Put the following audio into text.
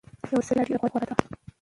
يو سړي ته دا ډير غوره ده